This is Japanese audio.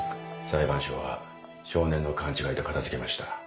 裁判所は少年の勘違いと片付けました。